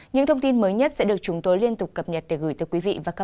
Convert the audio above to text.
những thông tin mới nhất sẽ được chúng tôi liên tục cập nhật để gửi tới quý vị và các bạn